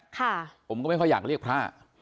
ผมก็ไม่ค่อยอยากเรียกพระ